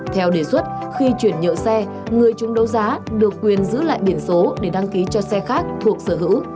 theo đề xuất khi chuyển nhượng xe người chúng đấu giá được quyền giữ lại biển số để đăng ký cho xe khác thuộc sở hữu